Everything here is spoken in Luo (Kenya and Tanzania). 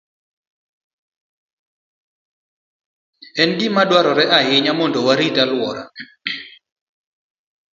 En gima dwarore ahinya mondo warit alworawa.